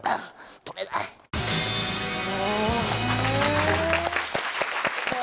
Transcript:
取れない。